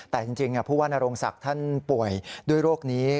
แต่จริงผู้ว่านโรงศักดิ์ท่านป่วยด้วยโรคนี้